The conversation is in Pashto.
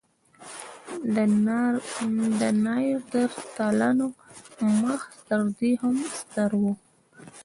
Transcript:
د نایندرتالانو مغز تر دې هم ستر و.